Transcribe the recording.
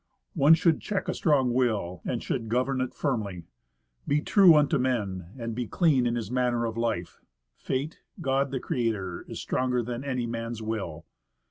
One should check a strong will, and should govern it firmly. Be true unto men, and be clean in his manner of life Fate, God the Creator, is stronger than any man's will.